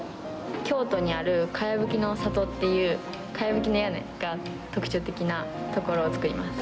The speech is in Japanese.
京都にあるかやぶきの里っていう、かやぶきの屋根が特徴的な所を作ります。